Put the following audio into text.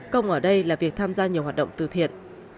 công ở đây là việc tham gia nhiều hoạt động từ thiện